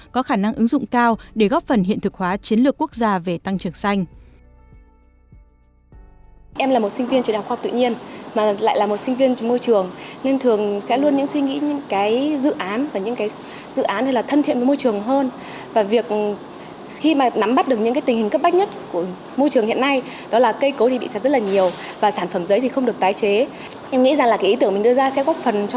có khả năng ứng dụng cao để góp phần hiện thực hóa chiến lược quốc gia về tăng trưởng xanh